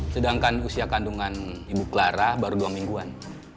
sedangkan usia kandungan ibu clara baru dua mingguan